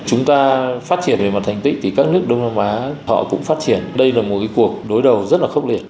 chúng ta phát triển về mặt thành tích thì các nước đông nam á họ cũng phát triển đây là một cuộc đối đầu rất là khốc liệt